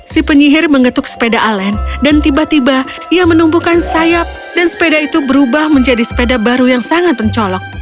si penyihir mengetuk sepeda alen dan tiba tiba ia menumbuhkan sayap dan sepeda itu berubah menjadi sepeda baru yang sangat pencolok